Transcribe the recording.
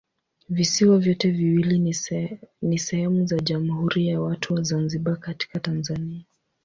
Visiwa vyote viwili ni sehemu za Jamhuri ya Watu wa Zanzibar katika Tanzania.